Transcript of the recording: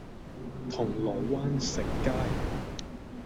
銅鑼灣食街